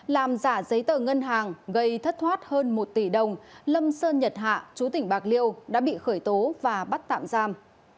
làm giả giấy tờ ngân hàng gây thất thoát hơn một tỷ đồng lâm sơn nhật hạ chú tỉnh bạc liêu đã bị khởi tố và bắt tạm giam